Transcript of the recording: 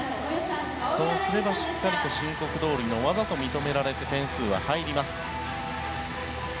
そうすればしっかりと申告どおりの技と認められて点数は入ります。